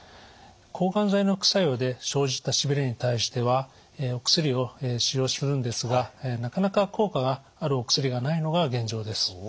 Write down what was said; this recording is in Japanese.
抗がん剤の副作用で生じたしびれに対してはお薬を使用するんですがなかなか効果があるお薬がないのが現状です。